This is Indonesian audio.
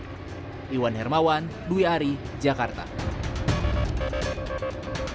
sebagai bentuk penghormatan tersebut juga berhasil mengembangkan perusahaan